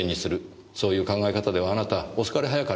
そういう考え方ではあなた遅かれ早かれ